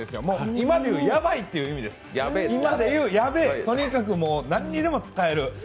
もう今で言うヤバいという意味です、今で言うヤベエ、とにかくもう何にでも使える。